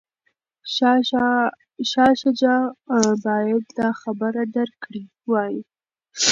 شاه شجاع باید دا خبره درک کړې وای.